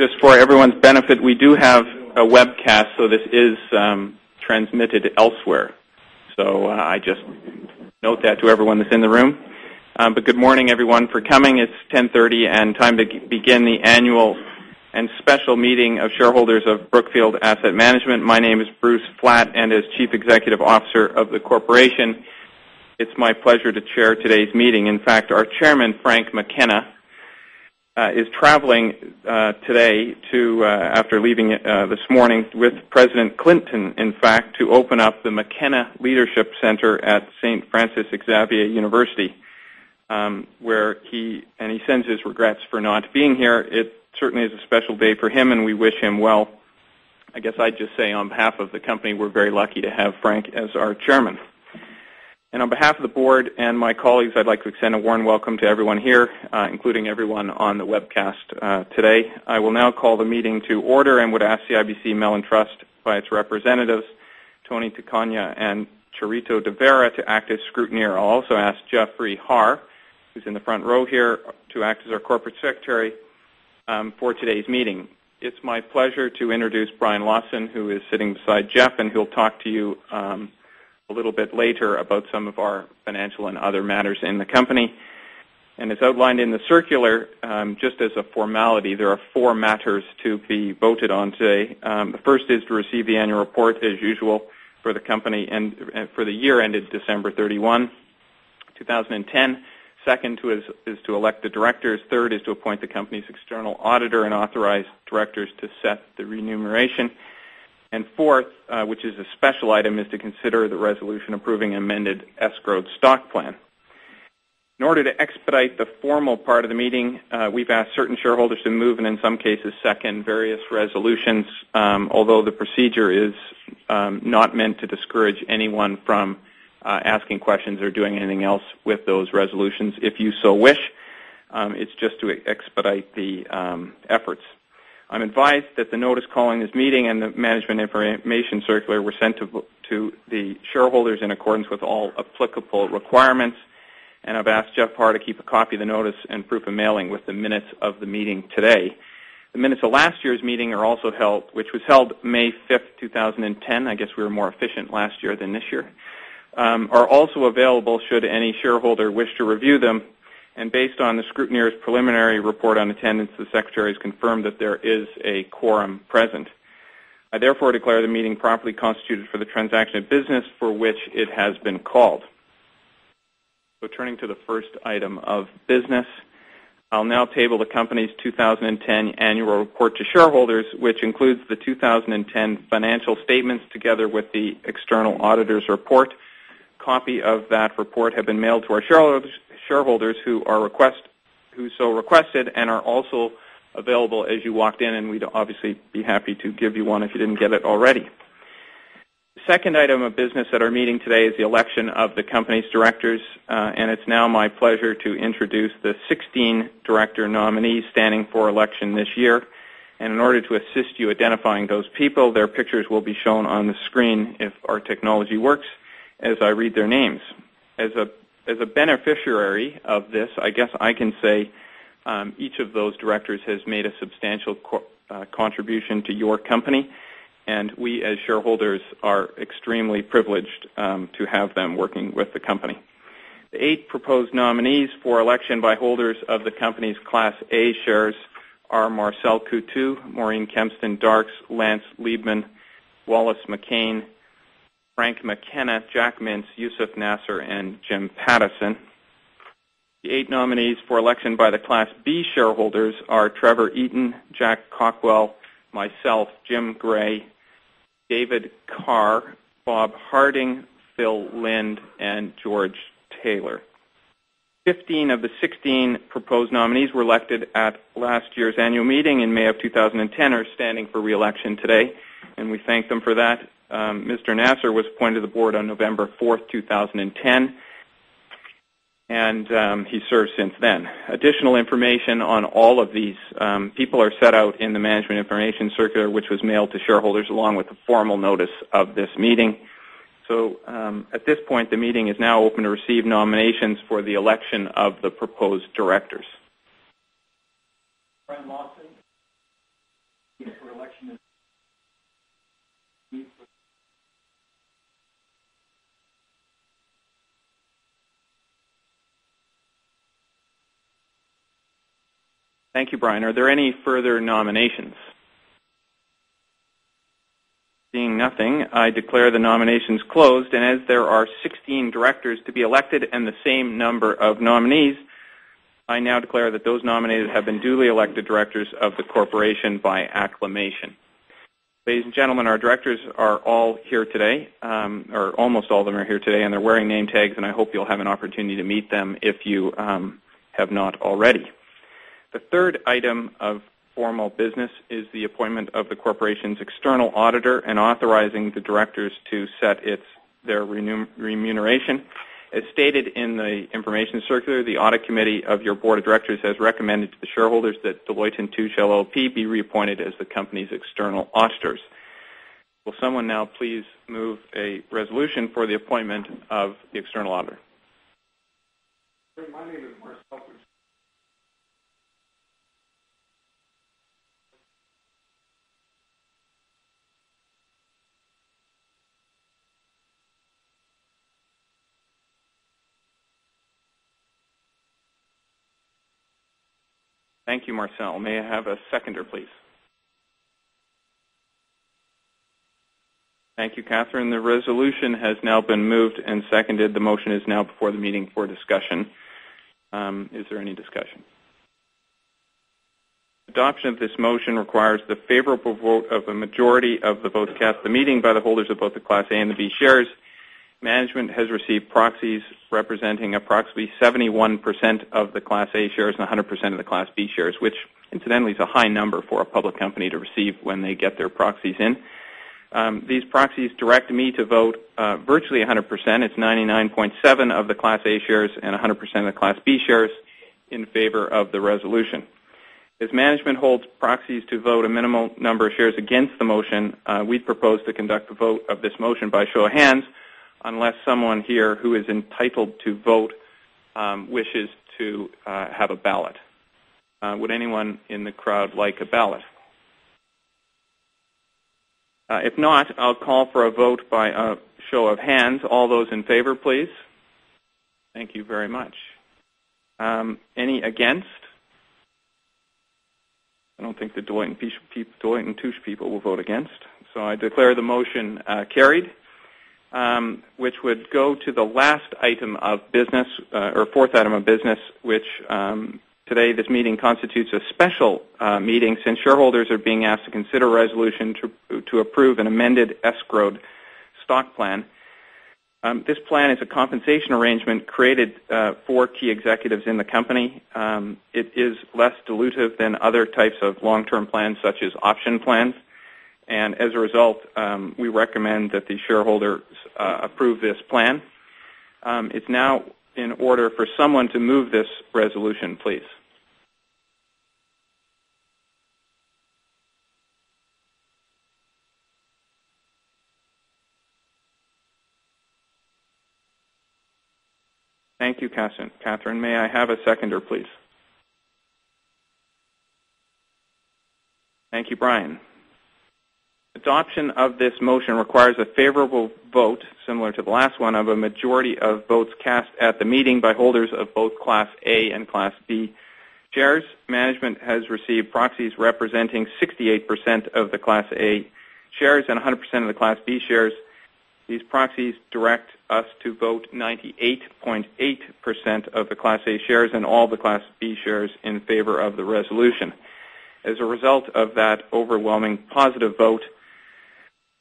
Just for everyone's benefit, we do have a webcast, so this is transmitted elsewhere. I just note that to everyone that's in the room. Good morning, everyone, for coming. It's 10:30 A.M. and time to begin the Annual and Special Meeting of Shareholders of Brookfield Asset Management. My name is Bruce Flatt and as Chief Executive Officer of the corporation, it's my pleasure to chair today's meeting. In fact, our Chairman, Frank McKenna, is traveling today after leaving this morning with President Clinton, in fact, to open up the McKenna Leadership Center at St. Francis Xavier University, and he sends his regrets for not being here. It certainly is a special day for him and we wish him well. I'd just say on behalf of the company, we're very lucky to have Frank as our Chairman. On behalf of the Board and my colleagues, I'd like to extend a warm welcome to everyone here, including everyone on the webcast today. I will now call the meeting to order and would ask CIBC Mellon Trust, by its representatives, Tony Tacaña and Charito de Vera, to act as scrutineer. I'll also ask Jeffrey Haar, who's in the front row here, to act as our Corporate Secretary for today's meeting. It's my pleasure to introduce Brian Lawson, who is sitting beside Jeff, and he'll talk to you a little bit later about some of our financial and other matters in the company. As outlined in the circular, just as a formality, there are four matters to be voted on today. The first is to receive the annual report, as usual, for the company and for the year ended December 31, 2010. Second is to elect the directors. Third is to appoint the company's external auditor and authorize directors to set the remuneration. Fourth, which is a special item, is to consider the resolution approving amended escrowed stock plan. In order to expedite the formal part of the meeting, we've asked certain shareholders to move and in some cases second various resolutions, although the procedure is not meant to discourage anyone from asking questions or doing anything else with those resolutions if you so wish. It's just to expedite the efforts. I'm advised that the notice calling this meeting and the management information circular were sent to the shareholders in accordance with all applicable requirements, and I've asked Jeff Haar to keep a copy of the notice and proof of mailing with the minutes of the meeting today. The minutes of last year's meeting, which was held May 5th, 2010, are also available should any shareholder wish to review them. Based on the scrutineer's preliminary report on attendance, the Secretary has confirmed that there is a quorum present. I therefore declare the meeting properly constituted for the transaction of business for which it has been called. Turning to the first item of business, I'll now table the company's 2010 annual report to shareholders, which includes the 2010 financial statements together with the external auditor's report. A copy of that report had been mailed to our shareholders who so requested and is also available as you walked in, and we'd obviously be happy to give you one if you didn't get it already. The second item of business at our meeting today is the election of the company's directors, and it's now my pleasure to introduce the 16 director nominees standing for election this year. In order to assist you in identifying those people, their pictures will be shown on the screen if our technology works as I read their names. As a beneficiary of this, I can say each of those directors has made a substantial contribution to your company, and we as shareholders are extremely privileged to have them working with the company. The eight proposed nominees for election by holders of the company's Class A shares are Marcel Coutu, Maureen Kempston Darkes, Lance Liebman, Wallace McCain, Frank McKenna, Jack Mintz, Youssef Nasr, and Jim Pattison. The eight nominees for election by the Class B shareholders are Trevor Eyton, Jack Cockwell, myself, Jim Gray, David Kerr, Bob Harding, Phil Lind, and George Taylor. Fifteen of the 16 proposed nominees who were elected at last year's annual meeting in May 2010 are standing for reelection today, and we thank them for that. Mr. Nasr was appointed to the Board on November 4th, 2010, and he has served since then. Additional information on all of these people is set out in the management information circular, which was mailed to shareholders along with the formal notice of this meeting. At this point, the meeting is now open to receive nominations for the election of the proposed directors. Brian Lawson? Yes. For election? Thank you, Brian. Are there any further nominations? Seeing nothing, I declare the nominations closed, and as there are 16 directors to be elected and the same number of nominees, I now declare that those nominated have been duly elected directors of the Corporation by acclamation. Ladies and gentlemen, our directors are all here today, or almost all of them are here today, and they're wearing name tags, and I hope you'll have an opportunity to meet them if you have not already. The third item of formal business is the appointment of the Corporation's external auditor and authorizing the directors to set their remuneration. As stated in the information circular, the Audit Committee of your Board of Directors has recommended to the shareholders that Deloitte & Touche LLP be reappointed as the company's external auditors. Will someone now please move a resolution for the appointment of the external auditor? Thank you, Marcel. May I have a seconder, please? Thank you, Katherine. The resolution has now been moved and seconded. The motion is now before the meeting for discussion. Is there any discussion? Adoption of this motion requires the favorable vote of a majority of the votes cast at the meeting by the holders of both the Class A and the B shares. Management has received proxies representing approximately 71% of the Class A shares and 100% of the Class B shares, which incidentally is a high number for a public company to receive when they get their proxies in. These proxies direct me to vote virtually 100%. It's 99.7% of the Class A shares and 100% of the Class B shares in favor of the resolution. As management holds proxies to vote a minimal number of shares against the motion, we propose to conduct a vote of this motion by show of hands unless someone here who is entitled to vote wishes to have a ballot. Would anyone in the crowd like a ballot? If not, I'll call for a vote by a show of hands. All those in favor, please. Thank you very much. Any against? I don't think the Deloitte & Touche people will vote against. I declare the motion carried, which would go to the last item of business, or fourth item of business, which today this meeting constitutes a special meeting since shareholders are being asked to consider a resolution to approve an amended escrowed stock plan. This plan is a compensation arrangement created for key executives in the company. It is less dilutive than other types of long-term plans such as option plans. As a result, we recommend that the shareholders approve this plan. It's now in order for someone to move this resolution, please. Thank you, Katherine. May I have a seconder, please? Thank you, Brian. Adoption of this motion requires a favorable vote, similar to the last one, of a majority of votes cast at the meeting by holders of both Class A and Class B shares. Management has received proxies representing 68% of the Class A shares and 100% of the Class B shares. These proxies direct us to vote 98.8% of the Class A shares and all the Class B shares in favor of the resolution. As a result of that overwhelming positive vote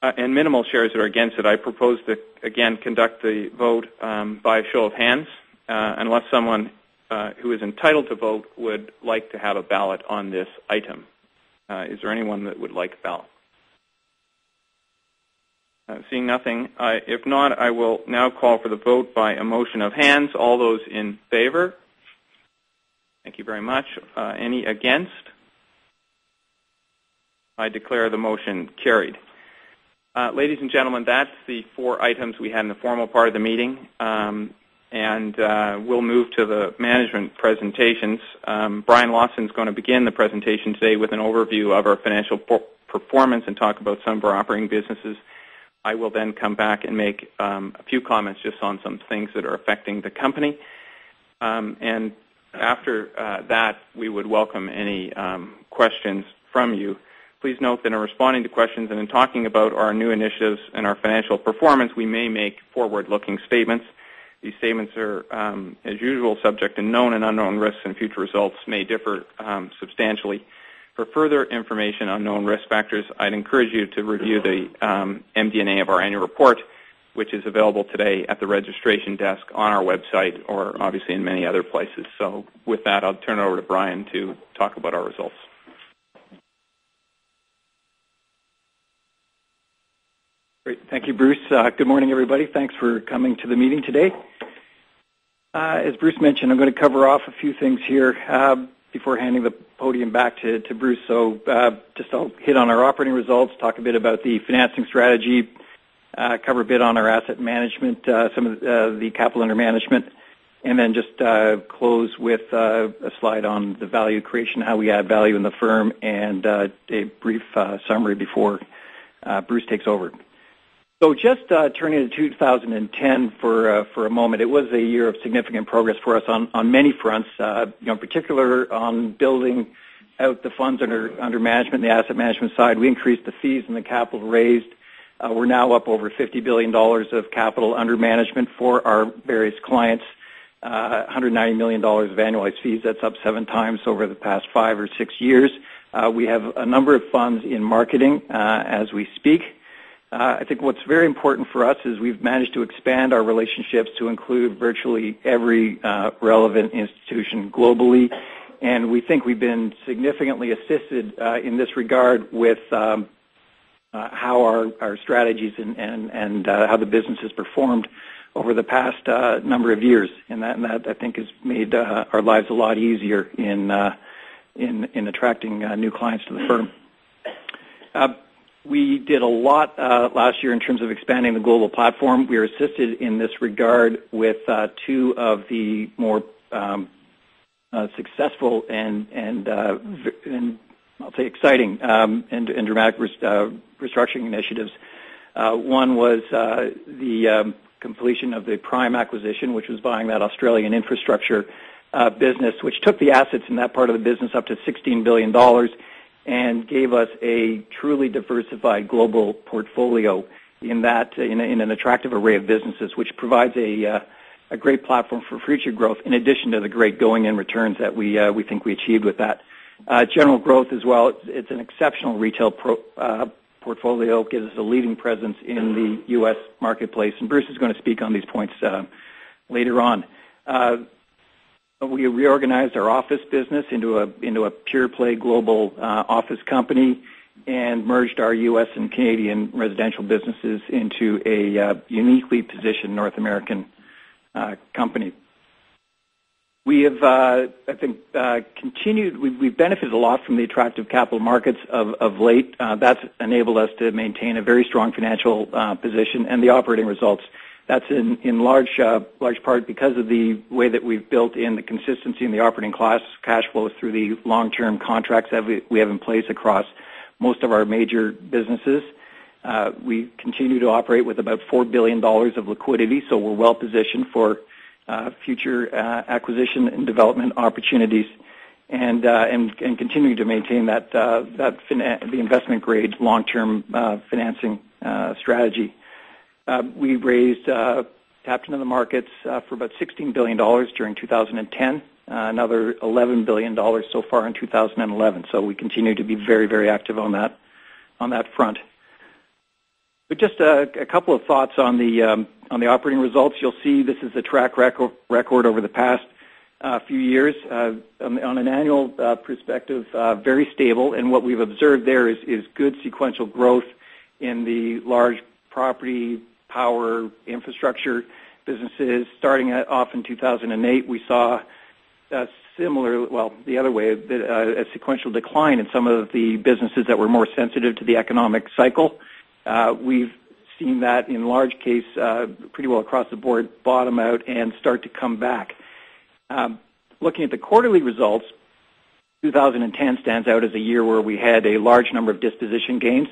and minimal shares that are against it, I propose to again conduct the vote by show of hands unless someone who is entitled to vote would like to have a ballot on this item. Is there anyone that would like a ballot? Seeing nothing. If not, I will now call for the vote by a motion of hands. All those in favor? Thank you very much. Any against? I declare the motion carried. Ladies and gentlemen, that's the four items we had in the formal part of the meeting, and we'll move to the management presentations. Brian Lawson's going to begin the presentation today with an overview of our financial performance and talk about some of our operating businesses. I will then come back and make a few comments just on some things that are affecting the company. After that, we would welcome any questions from you. Please note that in responding to questions and in talking about our new initiatives and our financial performance, we may make forward-looking statements. These statements are, as usual, subject to known and unknown risks, and future results may differ substantially. For further information on known risk factors, I'd encourage you to review the MD&A of our annual report, which is available today at the registration desk, on our website, or obviously in many other places. With that, I'll turn it over to Brian to talk about our results. Great. Thank you, Bruce. Good morning, everybody. Thanks for coming to the meeting today. As Bruce mentioned, I'm going to cover off a few things here before handing the podium back to Bruce. I'll hit on our operating results, talk a bit about the financing strategy, cover a bit on our asset management, some of the capital under management, and then just close with a slide on the value creation, how we add value in the firm, and a brief summary before Bruce takes over. Turning to 2010 for a moment, it was a year of significant progress for us on many fronts. In particular, on building out the funds under management, the asset management side, we increased the fees and the capital raised. We're now up over $50 billion of capital under management for our various clients, $190 million of annualized fees. That's up 7x over the past five or six years. We have a number of funds in marketing as we speak. I think what's very important for us is we've managed to expand our relationships to include virtually every relevant institution globally. We think we've been significantly assisted in this regard with how our strategies and how the business has performed over the past number of years. That, I think, has made our lives a lot easier in attracting new clients to the firm. We did a lot last year in terms of expanding the global platform. We were assisted in this regard with two of the more successful and, I'll say, exciting and dramatic restructuring initiatives. One was the completion of the Prime Acquisition, which was buying that Australian infrastructure business, which took the assets in that part of the business up to $16 billion and gave us a truly diversified global portfolio in an attractive array of businesses, which provides a great platform for future growth in addition to the great going-in returns that we think we achieved with that. General Growth as well. It's an exceptional retail portfolio, gives us a leading presence in the U.S. marketplace. Bruce is going to speak on these points later on. We reorganized our office business into a pure-play global office company and merged our U.S. and Canadian residential businesses into a uniquely positioned North American company. I think we've continued. We've benefited a lot from the attractive capital markets of late. That's enabled us to maintain a very strong financial position and the operating results. That's in large part because of the way that we've built in the consistency in the operating class cash flows through the long-term contracts that we have in place across most of our major businesses. We continue to operate with about $4 billion of liquidity, so we're well positioned for future acquisition and development opportunities and continue to maintain that investment-grade long-term financing strategy. We raised the capital in the markets for about $16 billion during 2010, another $11 billion so far in 2011. We continue to be very, very active on that front. Just a couple of thoughts on the operating results. You'll see this is a track record over the past few years. On an annual perspective, very stable. What we've observed there is good sequential growth in the large property, power, infrastructure businesses. Starting off in 2008, we saw a similar, the other way, a sequential decline in some of the businesses that were more sensitive to the economic cycle. We've seen that in large case pretty well across the board bottom out and start to come back. Looking at the quarterly results, 2010 stands out as a year where we had a large number of disposition gains,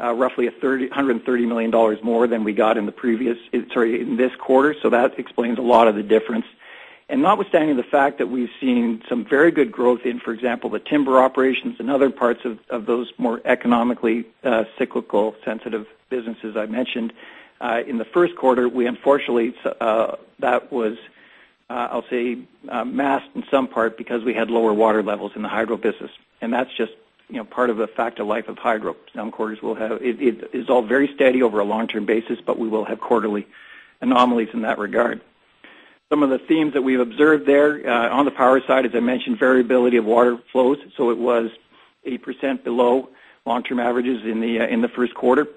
roughly $130 million more than we got in the previous, sorry, in this quarter. That explains a lot of the difference. Notwithstanding the fact that we've seen some very good growth in, for example, the timber operations and other parts of those more economically cyclical sensitive businesses I mentioned in the first quarter, unfortunately, that was, I'll say, masked in some part because we had lower water levels in the hydro business. That's just part of the fact of life of hydro. Some quarters will have, it is all very steady over a long-term basis, but we will have quarterly anomalies in that regard. Some of the themes that we've observed there on the power side, as I mentioned, variability of water flows. It was 8% below long-term averages in the first quarter,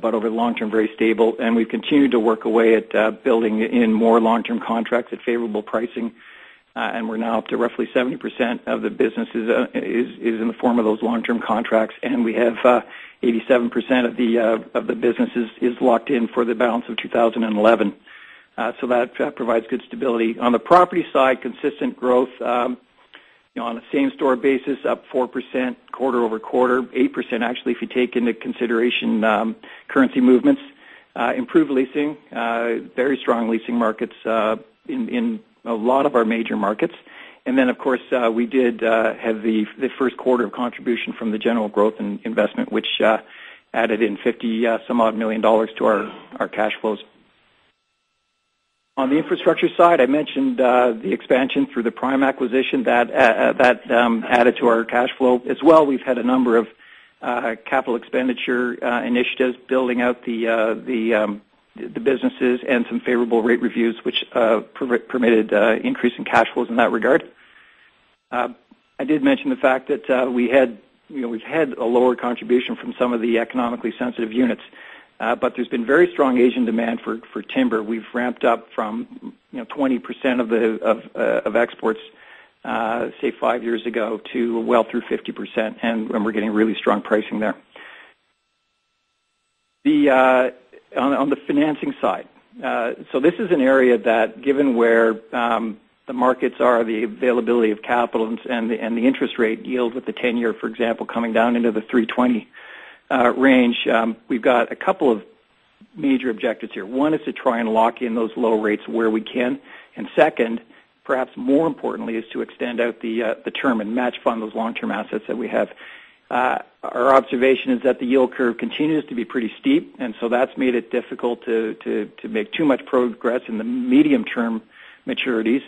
but over the long term, very stable. We've continued to work away at building in more long-term contracts at favorable pricing. We're now up to roughly 70% of the businesses in the form of those long-term contracts. We have 87% of the businesses locked in for the balance of 2011. That provides good stability. On the property side, consistent growth on a same-store basis, up 4% quarter-over-quarter, 8% actually if you take into consideration currency movements. Improved leasing, very strong leasing markets in a lot of our major markets. Of course, we did have the first quarter of contribution from the General Growth investment, which added in $50 some odd million to our cash flows. On the infrastructure side, I mentioned the expansion through the Prime Acquisition that added to our cash flow as well. We've had a number of capital expenditure initiatives building out the businesses and some favorable rate reviews, which permitted increasing cash flows in that regard. I did mention the fact that we've had a lower contribution from some of the economically sensitive units, but there's been very strong Asian demand for timber. We've ramped up from 20% of exports, say, five years ago to well through 50%, and we're getting really strong pricing there. On the financing side, this is an area that, given where the markets are, the availability of capital and the interest rate yield with the 10-year, for example, coming down into the 3.20% range, we've got a couple of major objectives here. One is to try and lock in those low rates where we can. Second, perhaps more importantly, is to extend out the term and match fund those long-term assets that we have. Our observation is that the yield curve continues to be pretty steep, and that's made it difficult to make too much progress in the medium-term maturities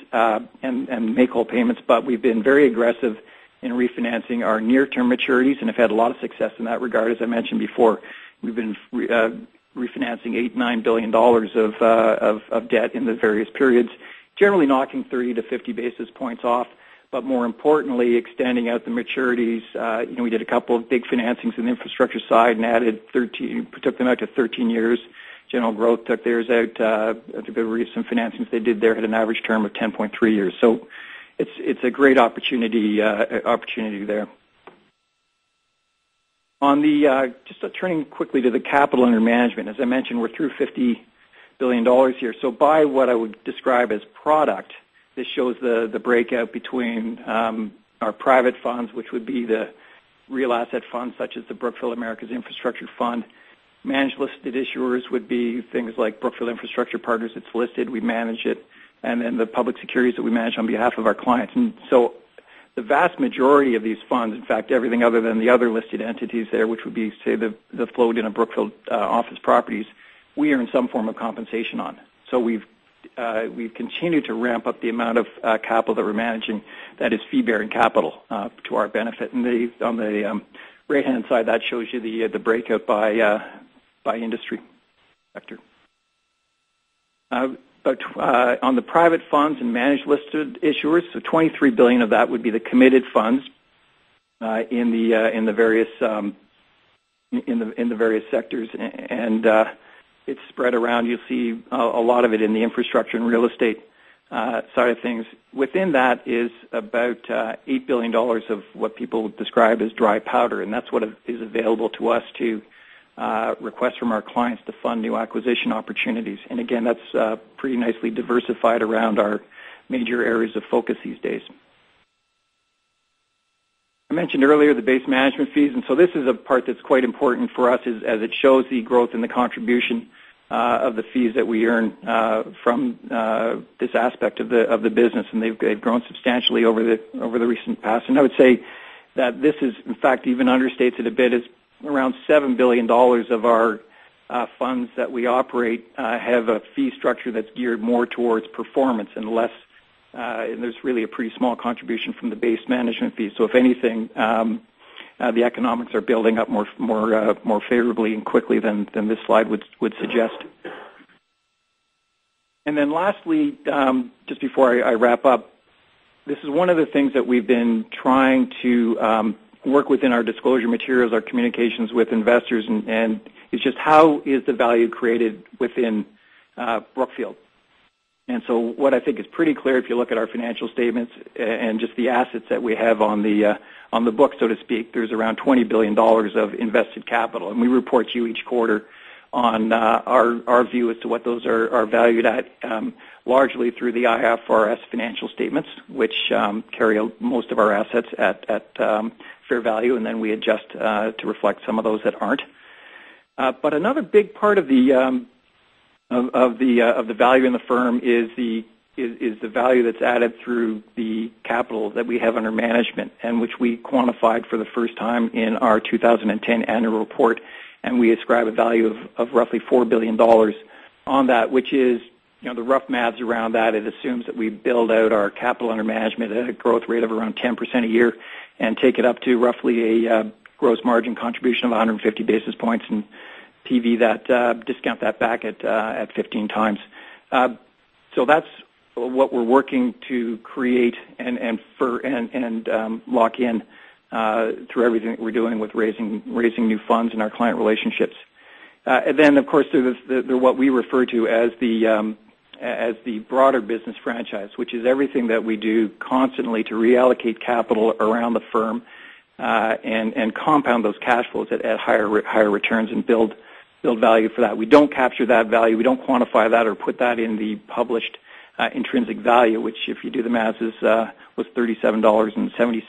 and make all payments. We've been very aggressive in refinancing our near-term maturities and have had a lot of success in that regard. As I mentioned before, we've been refinancing $8 billion-$9 billion of debt in the various periods, generally knocking 30 basis points-50 basis points off, but more importantly, extending out the maturities. We did a couple of big financings in the infrastructure side and added 13, took them out to 13 years. General Growth took theirs out. I think the recent financings they did there had an average term of 10.3 years. It's a great opportunity there. Just turning quickly to the capital under management, as I mentioned, we're through $50 billion here. By what I would describe as product, this shows the breakout between our private funds, which would be the real asset funds such as the Brookfield Americas Infrastructure Fund. Managed listed issuers would be things like Brookfield Infrastructure Partners that's listed. We manage it. Then the public securities that we manage on behalf of our clients. The vast majority of these funds, in fact, everything other than the other listed entities there, which would be, say, the floating of Brookfield office properties, we earn some form of compensation on. We have continued to ramp up the amount of capital that we're managing that is fee-bearing capital to our benefit. On the right-hand side, that shows you the breakout by industry sector. On the private funds and managed listed issuers, $23 billion of that would be the committed funds in the various sectors. It's spread around. You'll see a lot of it in the infrastructure and real estate side of things. Within that is about $8 billion of what people describe as dry powder. That's what is available to us to request from our clients to fund new acquisition opportunities. That's pretty nicely diversified around our major areas of focus these days. I mentioned earlier the base management fees. This is a part that's quite important for us as it shows the growth and the contribution of the fees that we earn from this aspect of the business. They've grown substantially over the recent past. I would say that this is, in fact, even understates it a bit. It's around $7 billion of our funds that we operate have a fee structure that's geared more towards performance and less. There's really a pretty small contribution from the base management fee. If anything, the economics are building up more favorably and quickly than this slide would suggest. Lastly, just before I wrap up, this is one of the things that we've been trying to work within our disclosure materials, our communications with investors, and it's just how is the value created within Brookfield? What I think is pretty clear, if you look at our financial statements and just the assets that we have on the book, so to speak, there's around $20 billion of invested capital. We report to you each quarter on our view as to what those are valued at, largely through the IFRS financial statements, which carry most of our assets at fair value. We adjust to reflect some of those that aren't. Another big part of the value in the firm is the value that's added through the capital that we have under management and which we quantified for the first time in our 2010 annual report. We ascribe a value of roughly $4 billion on that, which is the rough maths around that. It assumes that we build out our capital under management at a growth rate of around 10% a year and take it up to roughly a gross margin contribution of 150 basis points and PV that, discount that back at 15x. That's what we're working to create and lock in through everything that we're doing with raising new funds in our client relationships. There is what we refer to as the broader business franchise, which is everything that we do constantly to reallocate capital around the firm and compound those cash flows at higher returns and build value for that. We don't capture that value. We don't quantify that or put that in the published intrinsic value, which, if you do the math, was $37.76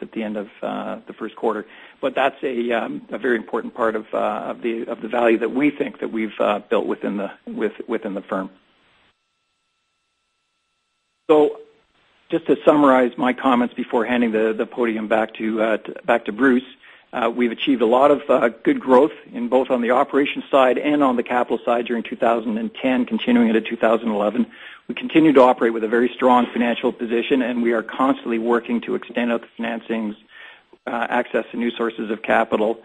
at the end of the first quarter. That's a very important part of the value that we think that we've built within the firm. Just to summarize my comments before handing the podium back to Bruce, we've achieved a lot of good growth in both on the operations side and on the capital side during 2010, continuing it at 2011. We continue to operate with a very strong financial position, and we are constantly working to extend out the financings, access to new sources of capital.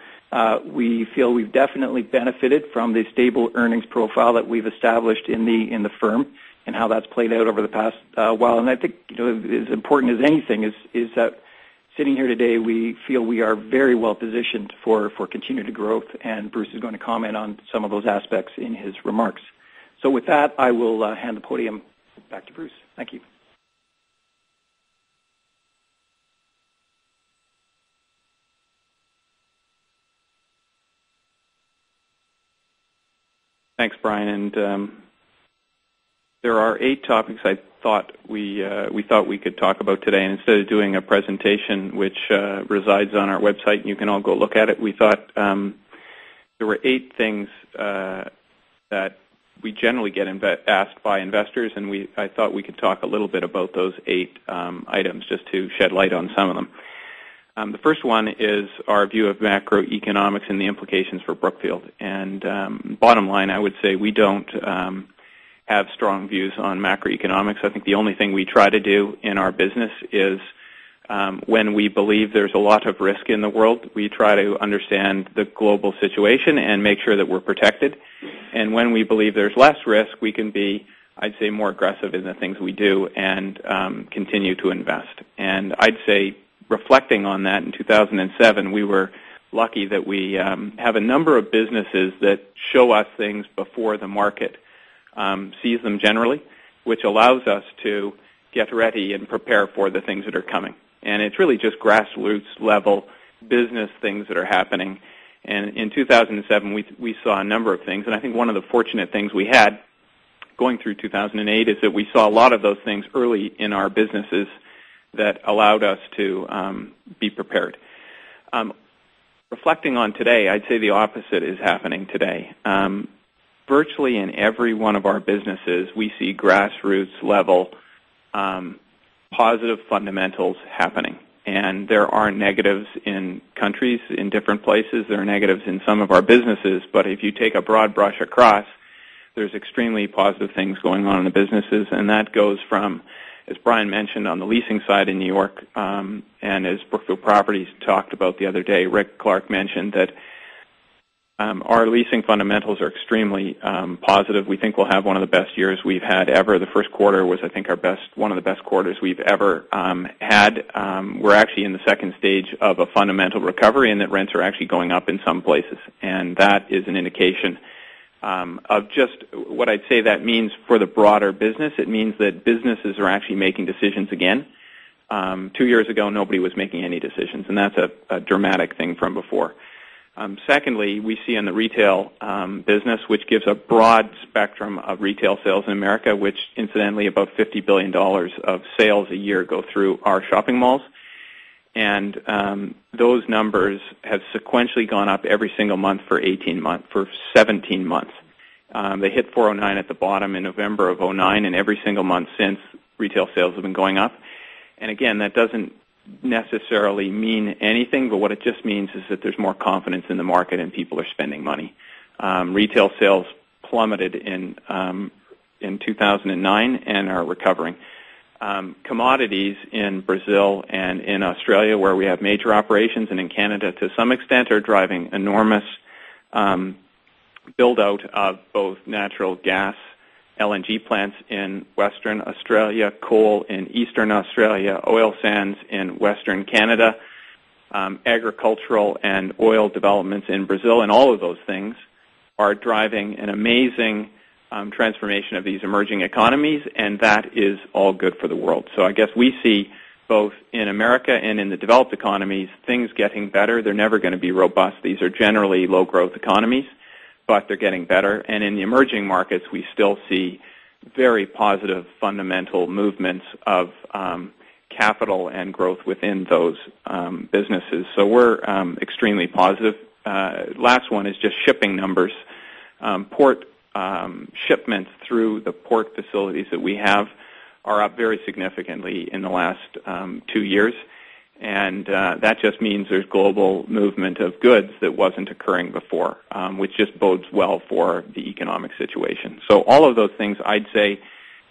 We feel we've definitely benefited from the stable earnings profile that we've established in the firm and how that's played out over the past while. I think as important as anything is that sitting here today, we feel we are very well positioned for continued growth. Bruce is going to comment on some of those aspects in his remarks. With that, I will hand the podium back to Bruce. Thank you. Thanks, Brian. There are eight topics we thought we could talk about today. Instead of doing a presentation, which resides on our website and you can all go look at it, we thought there were eight things that we generally get asked by investors. I thought we could talk a little bit about those eight items just to shed light on some of them. The first one is our view of macroeconomics and the implications for Brookfield. Bottom line, I would say we don't have strong views on macroeconomics. I think the only thing we try to do in our business is when we believe there's a lot of risk in the world, we try to understand the global situation and make sure that we're protected. When we believe there's less risk, we can be, I'd say, more aggressive in the things we do and continue to invest. Reflecting on that, in 2007, we were lucky that we have a number of businesses that show us things before the market sees them generally, which allows us to get ready and prepare for the things that are coming. It's really just grassroots level business things that are happening. In 2007, we saw a number of things. I think one of the fortunate things we had going through 2008 is that we saw a lot of those things early in our businesses that allowed us to be prepared. Reflecting on today, I'd say the opposite is happening today. Virtually in every one of our businesses, we see grassroots level positive fundamentals happening. There are negatives in countries, in different places. There are negatives in some of our businesses. If you take a broad brush across, there's extremely positive things going on in the businesses. That goes from, as Brian mentioned, on the leasing side in New York. As Brookfield Properties talked about the other day, Rick Clark mentioned that our leasing fundamentals are extremely positive. We think we'll have one of the best years we've had ever. The first quarter was, I think, one of the best quarters we've ever had. We're actually in the second stage of a fundamental recovery, and rents are actually going up in some places. That is an indication of just what I'd say that means for the broader business. It means that businesses are actually making decisions again. Two years ago, nobody was making any decisions. That's a dramatic thing from before. Secondly, we see in the retail business, which gives a broad spectrum of retail sales in America, which incidentally, about $50 billion of sales a year go through our shopping malls. Those numbers have sequentially gone up every single month for 18 months, for 17 months. They hit $4.09 at the bottom in November of 2009. Every single month since, retail sales have been going up. That doesn't necessarily mean anything, but what it just means is that there's more confidence in the market and people are spending money. Retail sales plummeted in 2009 and are recovering. Commodities in Brazil and in Australia, where we have major operations, and in Canada to some extent, are driving enormous build-out of both natural gas, LNG plants in Western Australia, coal in Eastern Australia, oil sands in Western Canada, agricultural and oil developments in Brazil. All of those things are driving an amazing transformation of these emerging economies. That is all good for the world. I guess we see both in America and in the developed economies things getting better. They're never going to be robust. These are generally low-growth economies, but they're getting better. In the emerging markets, we still see very positive fundamental movements of capital and growth within those businesses. We're extremely positive. Last one is just shipping numbers. Port shipments through the port facilities that we have are up very significantly in the last two years. That just means there's global movement of goods that wasn't occurring before, which just bodes well for the economic situation. All of those things, I'd say,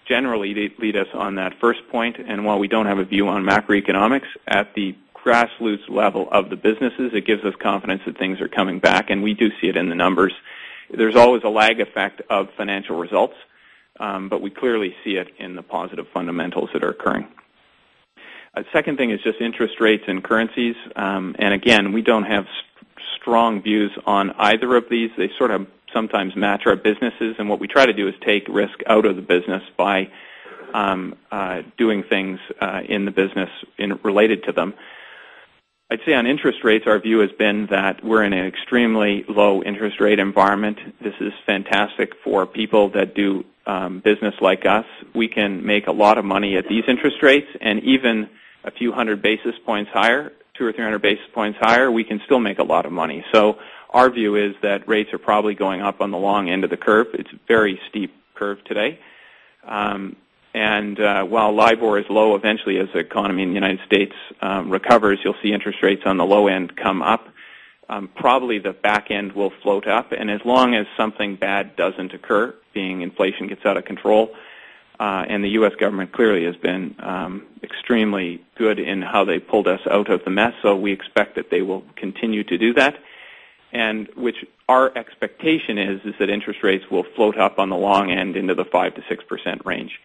generally lead us on that first point. While we don't have a view on macro-economic fundamentals at the grassroots level of the businesses, it gives us confidence that things are coming back. We do see it in the numbers. There's always a lag effect of financial results, but we clearly see it in the positive fundamentals that are occurring. A second thing is just interest rates and currencies. We don't have strong views on either of these. They sort of sometimes match our businesses. What we try to do is take risk out of the business by doing things in the business related to them. I'd say on interest rates, our view has been that we're in an extremely low interest rate environment. This is fantastic for people that do business like us. We can make a lot of money at these interest rates. Even a few hundred basis points higher, 200 or 300 basis points higher, we can still make a lot of money. Our view is that rates are probably going up on the long end of the curve. It's a very steep curve today. While LIBOR is low, eventually, as the economy in United States recovers, you'll see interest rates on the low end come up. Probably the back end will float up. As long as something bad doesn't occur, being inflation gets out of control. The U.S. government clearly has been extremely good in how they pulled us out of the mess. We expect that they will continue to do that. Our expectation is that interest rates will float up on the long end into the 5%-6% range.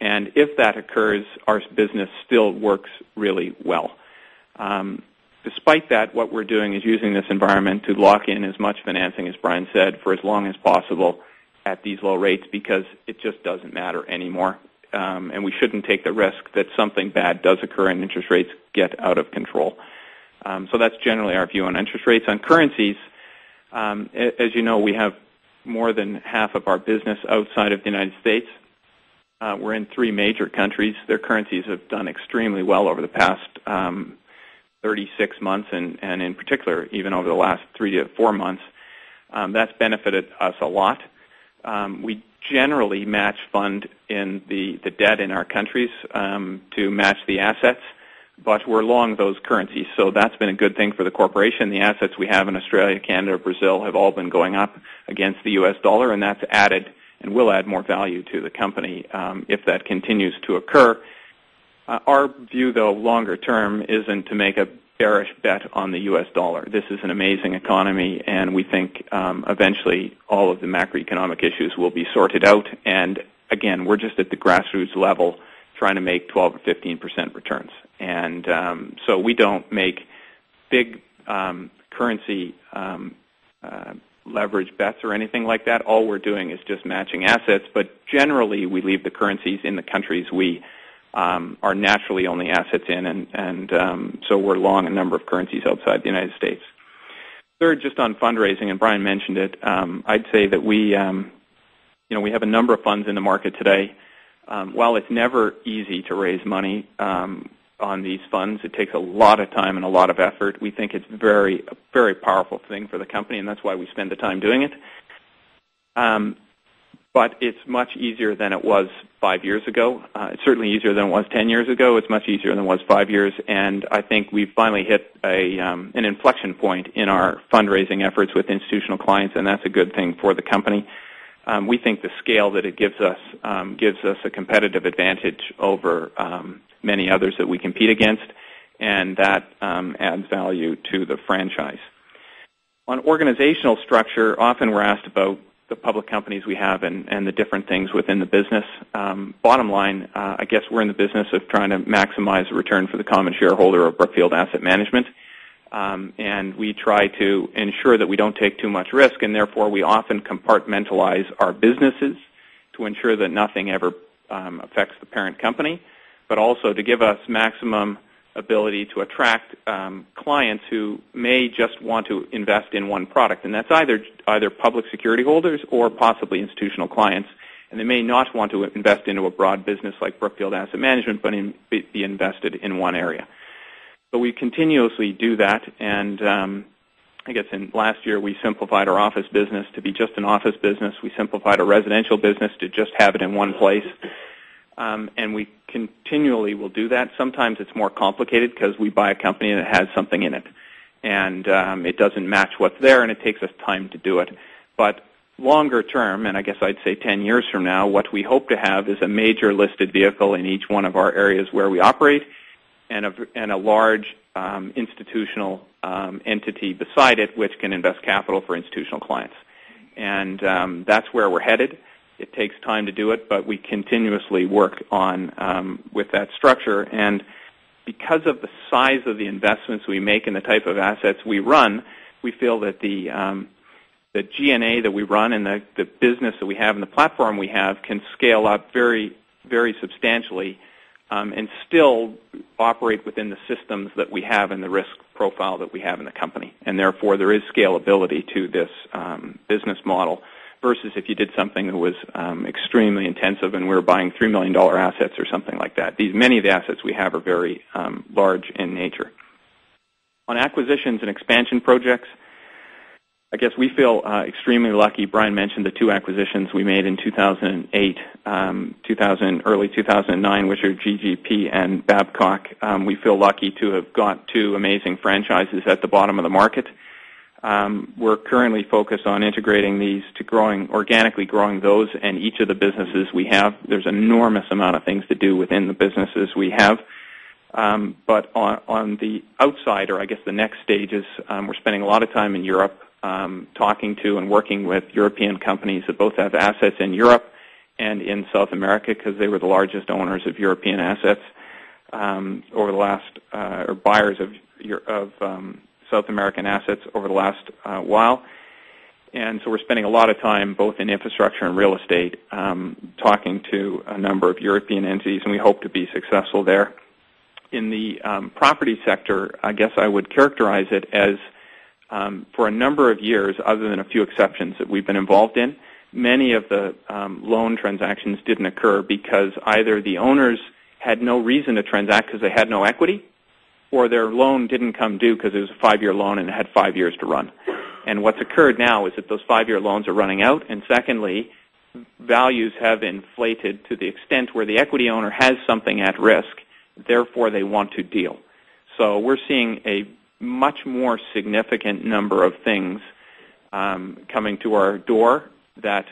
If that occurs, our business still works really well. Despite that, what we're doing is using this environment to lock in as much financing, as Brian said, for as long as possible at these low rates because it just doesn't matter anymore. We shouldn't take the risk that something bad does occur and interest rates get out of control. That's generally our view on interest rates. On currencies, as you know, we have more than half of our business outside of the United States. We're in three major countries. Their currencies have done extremely well over the past 36 months, and in particular, even over the last three to four months. That's benefited us a lot. We generally match fund in the debt in our countries to match the assets, but we're long those currencies. That's been a good thing for the corporation. The assets we have in Australia, Canada, Brazil have all been going up against the U.S. dollar, and that's added and will add more value to the company if that continues to occur. Our view, though, longer term, isn't to make a bearish bet on the U.S. dollar. This is an amazing economy, and we think eventually all of the macro-economic issues will be sorted out. Again, we're just at the grassroots level trying to make 12% or 15% returns. We don't make big currency leverage bets or anything like that. All we're doing is just matching assets. Generally, we leave the currencies in the countries we are naturally only assets in. We're long a number of currencies outside the United States. Third, just on fundraising, and Brian mentioned it, I'd say that we have a number of funds in the market today. While it's never easy to raise money on these funds, it takes a lot of time and a lot of effort. We think it's a very, very powerful thing for the company, and that's why we spend the time doing it. It's much easier than it was five years ago. It's certainly easier than it was 10 years ago. It's much easier than it was five years. I think we've finally hit an inflection point in our fundraising efforts with institutional clients, and that's a good thing for the company. We think the scale that it gives us gives us a competitive advantage over many others that we compete against, and that adds value to the franchise. On organizational structure, often we're asked about the public companies we have and the different things within the business. Bottom line, I guess we're in the business of trying to maximize the return for the common shareholder of Brookfield Asset Management. We try to ensure that we don't take too much risk, and therefore we often compartmentalize our businesses to ensure that nothing ever affects the parent company, but also to give us maximum ability to attract clients who may just want to invest in one product. That's either public security holders or possibly institutional clients. They may not want to invest into a broad business like Brookfield Asset Management, but be invested in one area. We continuously do that. I guess in last year, we simplified our office business to be just an office business. We simplified our residential business to just have it in one place. We continually will do that. Sometimes it's more complicated because we buy a company that has something in it, and it doesn't match what's there, and it takes us time to do it. Longer term, and I guess I'd say 10 years from now, what we hope to have is a major listed vehicle in each one of our areas where we operate and a large institutional entity beside it, which can invest capital for institutional clients. That's where we're headed. It takes time to do it, but we continuously work with that structure. Because of the size of the investments we make and the type of assets we run, we feel that the G&A that we run and the business that we have and the platform we have can scale up very, very substantially and still operate within the systems that we have and the risk profile that we have in the company. Therefore, there is scalability to this business model versus if you did something that was extremely intensive and we were buying $3 million assets or something like that. Many of the assets we have are very large in nature. On acquisitions and expansion projects, I guess we feel extremely lucky. Brian mentioned the two acquisitions we made in 2008, early 2009, which are GGP and Babcock. We feel lucky to have got two amazing franchises at the bottom of the market. We're currently focused on integrating these to grow organically, growing those and each of the businesses we have. There's an enormous amount of things to do within the businesses we have. On the outside, or I guess the next stage, we're spending a lot of time in Europe talking to and working with European companies that both have assets in Europe and in South America because they were the largest owners of European assets over the last, or buyers of South American assets over the last while. We're spending a lot of time both in infrastructure and real estate talking to a number of European entities, and we hope to be successful there. In the property sector, I guess I would characterize it as for a number of years, other than a few exceptions that we've been involved in, many of the loan transactions didn't occur because either the owners had no reason to transact because they had no equity or their loan didn't come due because it was a five-year loan and it had five years to run. What's occurred now is that those five-year loans are running out. Secondly, values have inflated to the extent where the equity owner has something at risk. Therefore, they want to deal. We're seeing a much more significant number of things coming to our door that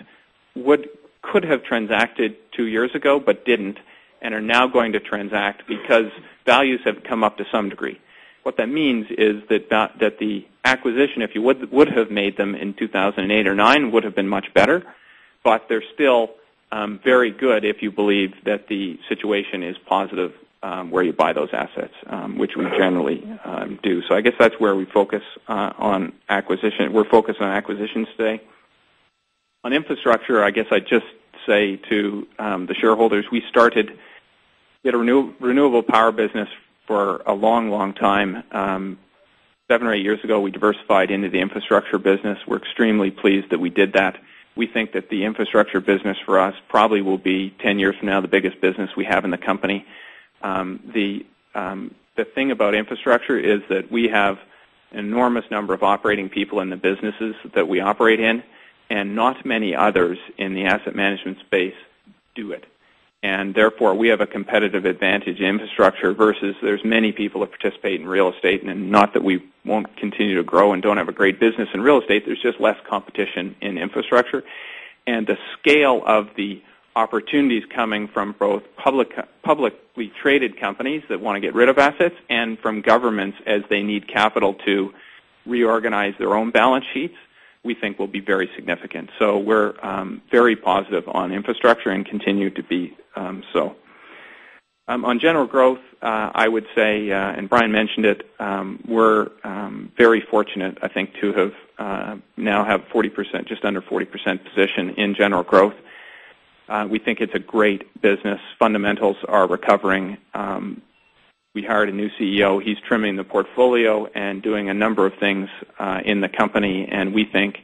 could have transacted two years ago but didn't and are now going to transact because values have come up to some degree. What that means is that the acquisition, if you would have made them in 2008 or 2009, would have been much better. They're still very good if you believe that the situation is positive where you buy those assets, which we generally do. I guess that's where we focus on acquisition. We're focused on acquisitions today. On infrastructure, I guess I'd just say to the shareholders, we started in a renewable power business for a long, long time. Seven or eight years ago, we diversified into the infrastructure business. We're extremely pleased that we did that. We think that the infrastructure business for us probably will be 10 years from now the biggest business we have in the company. The thing about infrastructure is that we have an enormous number of operating people in the businesses that we operate in, and not many others in the asset management space do it. Therefore, we have a competitive advantage in infrastructure versus there's many people that participate in real estate. Not that we won't continue to grow and don't have a great business in real estate. There's just less competition in infrastructure. The scale of the opportunities coming from both publicly traded companies that want to get rid of assets and from governments as they need capital to reorganize their own balance sheets, we think will be very significant. We are very positive on infrastructure and continue to be so. On General Growth, I would say, and Brian mentioned it, we're very fortunate, I think, to now have 40%, just under 40% position in General Growth. We think it's a great business. Fundamentals are recovering. We hired a new CEO. He's trimming the portfolio and doing a number of things in the company. We think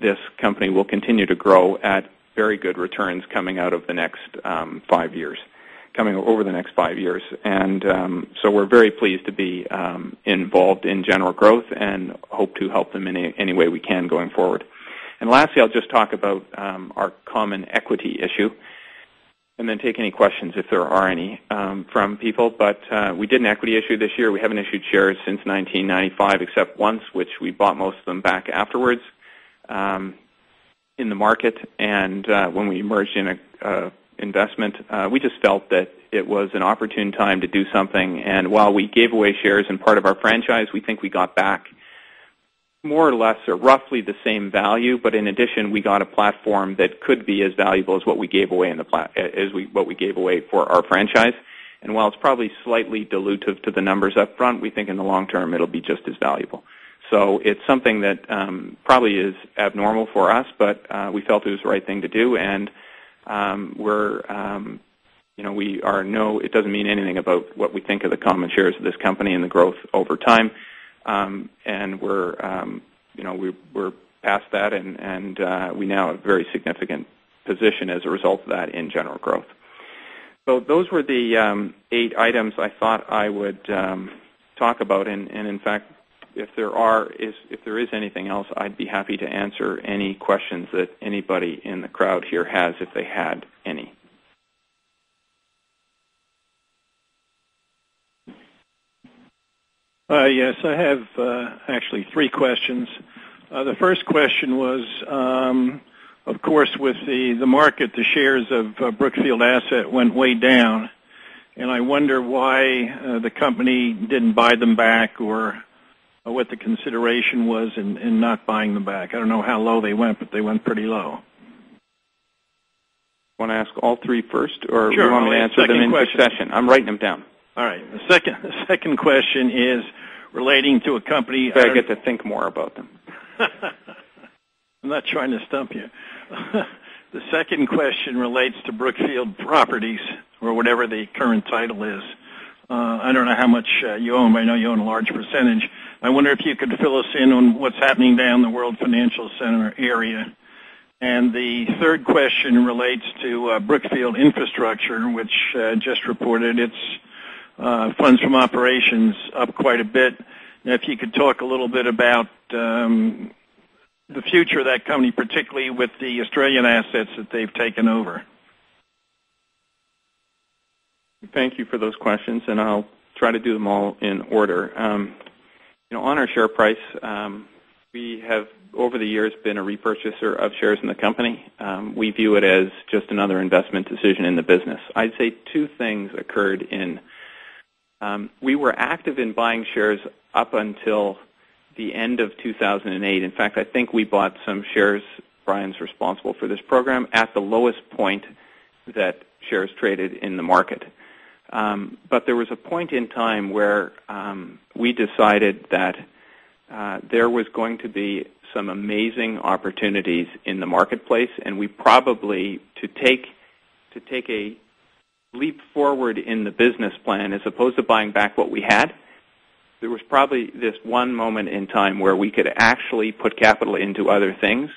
this company will continue to grow at very good returns coming out of the next five years, coming over the next five years. We are very pleased to be involved in General Growth and hope to help them in any way we can going forward. Lastly, I'll just talk about our common equity issue and then take any questions if there are any from people. We did an equity issue this year. We haven't issued shares since 1995 except once, which we bought most of them back afterwards in the market. When we merged in an investment, we just felt that it was an opportune time to do something. While we gave away shares in part of our franchise, we think we got back more or less or roughly the same value. In addition, we got a platform that could be as valuable as what we gave away for our franchise. While it's probably slightly dilutive to the numbers up front, we think in the long term, it'll be just as valuable. It's something that probably is abnormal for us, but we felt it was the right thing to do. It does not mean anything about what we think of the common shares of this company and the growth over time. We're past that, and we now have a very significant position as a result of that in General Growth. Those were the eight items I thought I would talk about. If there is anything else, I'd be happy to answer any questions that anybody in the crowd here has if they had any. Yes, I have actually three questions. The first question was, of course, with the market, the shares of Brookfield Asset went way down. I wonder why the company didn't buy them back or what the consideration was in not buying them back. I don't know how low they went, but they went pretty low. Want to ask all three first, or do you want me to answer them in a quick session? I'm writing them down. All right. The second question is relating to a company. I get to think more about them. I'm not trying to stump you. The second question relates to Brookfield Properties or whatever the current title is. I don't know how much you own, but I know you own a large percentage. I wonder if you could fill us in on what's happening down in the World Financial Center area. The third question relates to Brookfield Infrastructure, which just reported its funds from operations up quite a bit. If you could talk a little bit about the future of that company, particularly with the Australian assets that they've taken over. Thank you for those questions, and I'll try to do them all in order. You know, on our share price, we have, over the years, been a repurchaser of shares in the company. We view it as just another investment decision in the business. I'd say two things occurred. We were active in buying shares up until the end of 2008. In fact, I think we bought some shares, Brian's responsible for this program, at the lowest point that shares traded in the market. There was a point in time where we decided that there was going to be some amazing opportunities in the marketplace. We probably, to take a leap forward in the business plan, as opposed to buying back what we had, there was probably this one moment in time where we could actually put capital into other things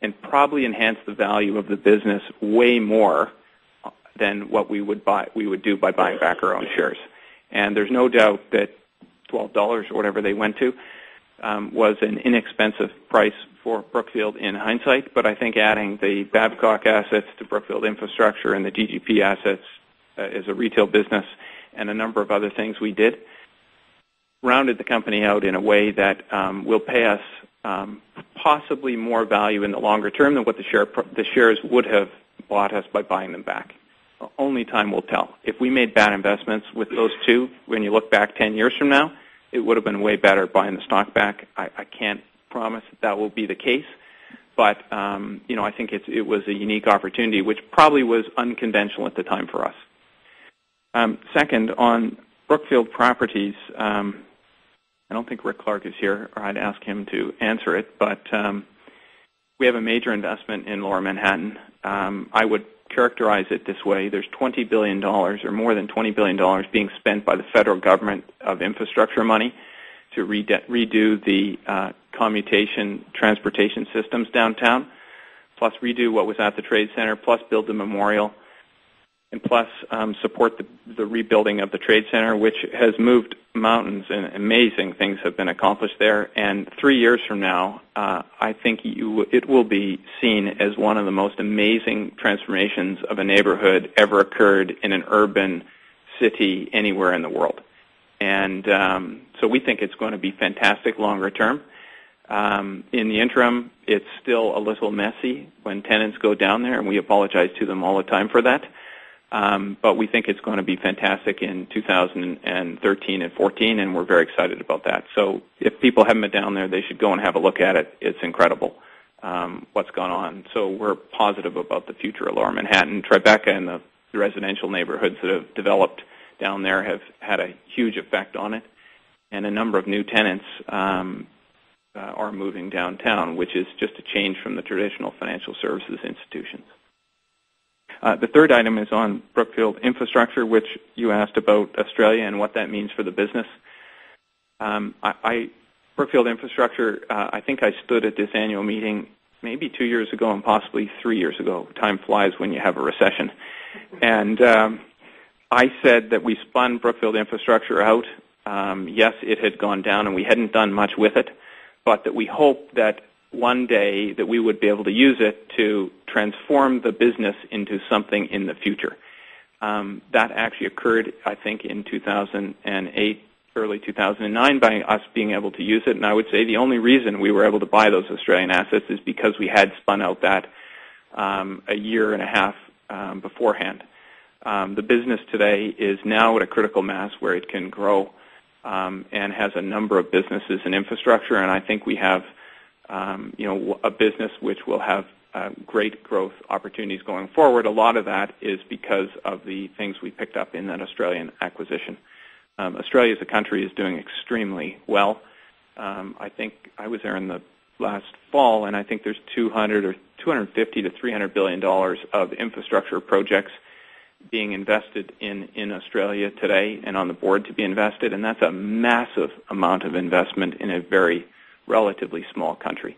and probably enhance the value of the business way more than what we would do by buying back our own shares. There's no doubt that $12 or whatever they went to was an inexpensive price for Brookfield in hindsight. I think adding the Babcock assets to Brookfield Infrastructure and the GGP assets as a retail business and a number of other things we did rounded the company out in a way that will pay us possibly more value in the longer term than what the shares would have bought us by buying them back. Only time will tell. If we made bad investments with those two when you look back 10 years from now, it would have been way better buying the stock back. I can't promise that that will be the case. I think it was a unique opportunity, which probably was unconventional at the time for us. Second, on Brookfield Properties, I don't think Rick Clark is here or I'd ask him to answer it, but we have a major investment in Lower Manhattan. I would characterize it this way. There's $20 billion or more than $20 billion being spent by the federal government of infrastructure money to redo the commutation transportation systems downtown, plus redo what was at the trade center, plus build the memorial, and plus support the rebuilding of the trade center, which has moved mountains, and amazing things have been accomplished there. Three years from now, I think it will be seen as one of the most amazing transformations of a neighborhood ever occurred in an urban city anywhere in the world. We think it's going to be fantastic longer term. In the interim, it's still a little messy when tenants go down there, and we apologize to them all the time for that. We think it's going to be fantastic in 2013 and 2014, and we're very excited about that. If people haven't been down there, they should go and have a look at it. It's incredible what's gone on. We're positive about the future of Lower Manhattan. Tribeca and the residential neighborhoods that have developed down there have had a huge effect on it. A number of new tenants are moving downtown, which is just a change from the traditional financial services institutions. The third item is on Brookfield Infrastructure, which you asked about Australia and what that means for the business. Brookfield Infrastructure, I think I stood at this annual meeting maybe two years ago and possibly three years ago. Time flies when you have a recession. I said that we spun Brookfield Infrastructure out. Yes, it had gone down, and we hadn't done much with it, but we hoped that one day we would be able to use it to transform the business into something in the future. That actually occurred, I think, in 2008, early 2009, by us being able to use it. I would say the only reason we were able to buy those Australian assets is because we had spun out that a year and a half beforehand. The business today is now at a critical mass where it can grow and has a number of businesses and infrastructure. I think we have a business which will have great growth opportunities going forward. A lot of that is because of the things we picked up in that Australian acquisition. Australia as a country is doing extremely well. I think I was there last fall, and I think there's $200 billion or $250 billion-$300 billion of infrastructure projects being invested in Australia today and on the board to be invested. That's a massive amount of investment in a relatively small country.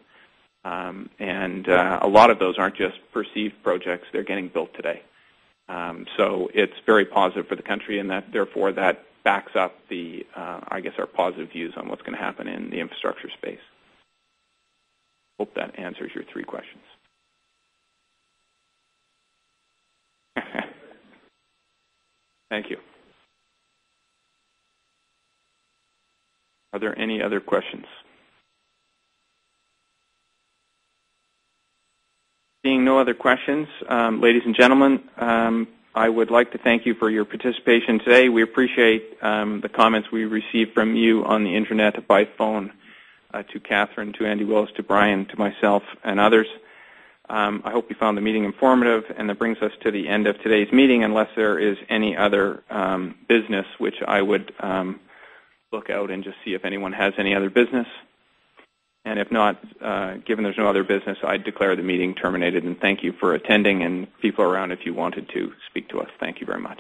A lot of those aren't just perceived projects. They're getting built today. It's very positive for the country, and therefore that backs up our positive views on what's going to happen in the infrastructure space. Hope that answers your three questions. Thank you. Are there any other questions? Seeing no other questions, ladies and gentlemen, I would like to thank you for your participation today. We appreciate the comments we received from you on the intranet, by phone, to Katherine, to Andy Willis, to Brian, to myself, and others. I hope you found the meeting informative, and that brings us to the end of today's meeting, unless there is any other business, which I would look out and just see if anyone has any other business. If not, given there's no other business, I declare the meeting terminated. Thank you for attending and people are around if you wanted to speak to us. Thank you very much.